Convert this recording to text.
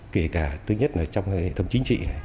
kể cả thứ nhất là trong hệ thống chính trị